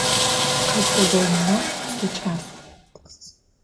Къэсыугъоинэу сикӏас.